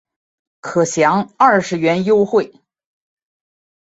可享二十元优惠